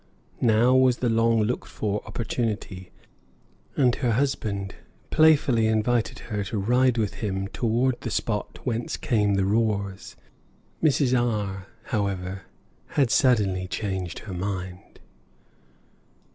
Now was the long looked for opportunity, and her husband playfully invited her to ride with him toward the spot whence came the roars. Mrs. R, however, had suddenly changed her mind.